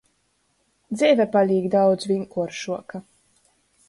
Dzeive palīk daudz vīnkuoršuoka.